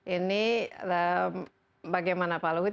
ini bagaimana pak luhut